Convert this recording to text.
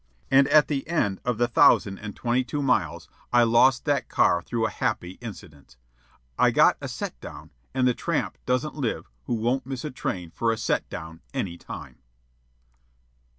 And at the end of the thousand and twenty two miles I lost that car through a happy incident. I got a "set down," and the tramp doesn't live who won't miss a train for a set down any time.